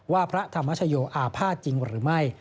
พระธรรมชโยอาภาษณ์จริงหรือไม่